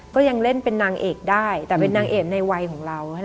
ก็ยังเล่นเป็นนางเอกได้แต่เป็นนางเอกในวัยของเรา